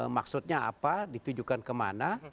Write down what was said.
maksudnya apa ditujukan kemana